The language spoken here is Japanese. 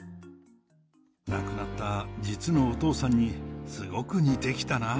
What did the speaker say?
亡くなった実のお父さんに、すごく似てきたな。